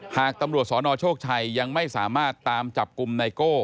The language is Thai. หากตำรวจสนโชคชัยยังไม่สามารถตามจับกลุ่มไนโก้